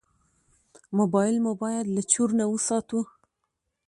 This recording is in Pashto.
موبایل مو باید له چور نه وساتو.